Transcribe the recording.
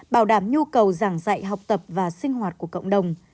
bảo đảm nhu cầu giảng dạy học tập và sinh hoạt của cộng đồng